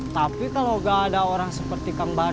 tapi kalau gak ada orang seperti kang bahar